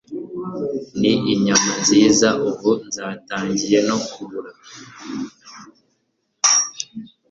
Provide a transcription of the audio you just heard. ni inyama nziza ubu zatangiye no kubura